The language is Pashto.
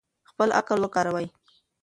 خپل عقل وکاروئ.